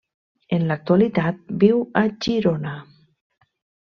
En l'actualitat, viu a Girona.